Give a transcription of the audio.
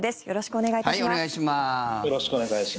よろしくお願いします。